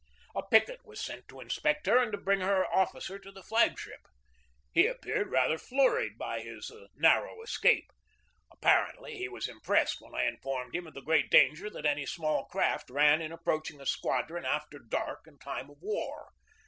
A picket was sent to inspect her and to bring her officer to the flag ship. He appeared rather flurried by his narrow escape. Apparently he was impressed when I informed him of the great danger that any small craft ran in approaching a squadron after dark in time of war.